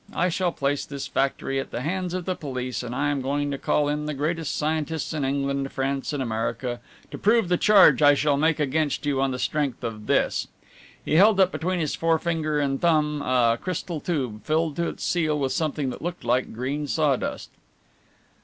I shall place this factory in the hands of the police, and I am going to call in the greatest scientists in England, France and America, to prove the charge I shall make against you on the strength of this!" He held up between his forefinger and thumb a crystal tube, filled to its seal with something that looked like green sawdust.